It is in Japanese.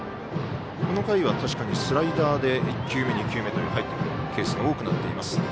この回はスライダーで１球目、２球目と入ってくるケースが多くなっています。